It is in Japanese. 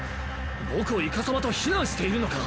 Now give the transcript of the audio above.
僕をイカサマと非難しているのか